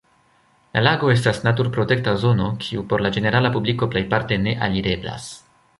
La lago estas naturprotekta zono, kiu por la ĝenerala publiko plejparte ne alireblas.